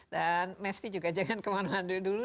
dan mesty juga jangan kemana mana dulu